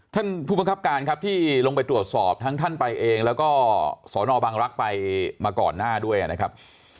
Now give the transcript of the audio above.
ท่านผู้บังคับการครับที่ลงไปตรวจสอบทั้งท่านไปเองแล้วก็สอนอบังรักษ์ไปมาก่อนหน้าด้วยนะครับ